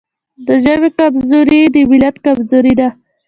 د ژبې کمزوري د ملت کمزوري ده.